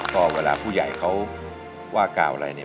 ก็เวลาผู้ใหญ่เขาว่ากล่าวอะไรเนี่ย